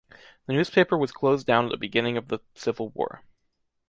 The newspaper was closed down at the beginning of the Civil War.